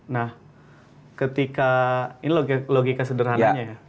nah ketika ini logika sederhananya ya